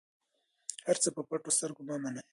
هر څه په پټو سترګو مه منئ.